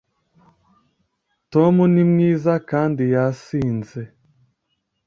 tom ni mwiza kandi yasinze